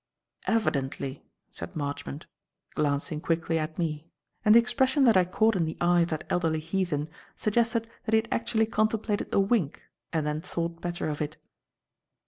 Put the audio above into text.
"Evidently," said Marchmont, glancing quickly at me, and the expression that I caught in the eye of that elderly heathen suggested that he had actually contemplated a wink and then thought better of it.